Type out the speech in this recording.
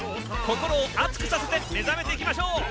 こころをあつくさせてめざめていきましょう。